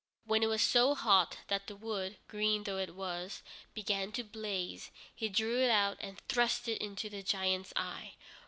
When it was so hot that the wood, green though it was, began to blaze, they drew it out and thrust it into the giant's eye.